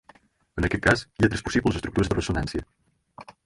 En aquest cas, hi ha tres possibles estructures de ressonància.